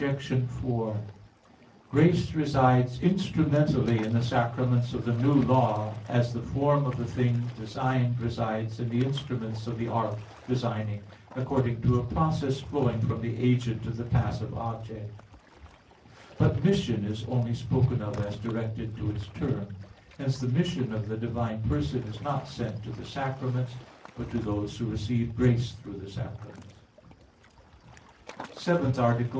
4: Grace resides instrumentally in the sacraments of the New Law, as the form of a thing designed resides in the instruments of the art designing, according to a process flowing from the agent to the passive object. But mission is only spoken of as directed to its term. Hence the mission of the divine person is not sent to the sacraments, but to those who receive grace through the sacraments. _______________________ SEVENTH ARTICLE [I, Q.